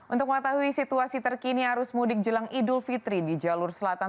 untuk mengetahui situasi terkini arus mudik jelang idul fitri di jalur selatan